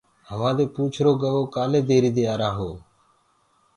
همآ دي پوڇرو گو ڪآلي ليٽ آرآ هو۔